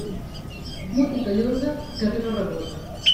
Mut i callosa, que ve la rabosa.